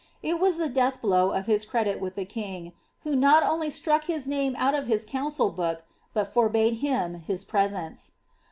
It was the death blow of his credit with the king, who not only struck his name out of his council book, but forbade him hit presence.